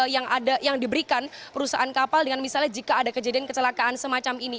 yang diberikan perusahaan kapal dengan misalnya jika ada kejadian kecelakaan semacam ini